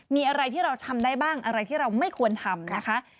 มีอะไรที่เราทำได้บ้างอะไรที่เราไม่ควรทำนะคะ